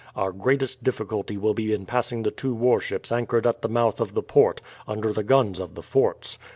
Our greatest difficulty will be in passing the two warships anchored at the mouth of the port, under the guns of the forts.